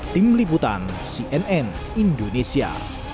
tim liputan cnn indonesia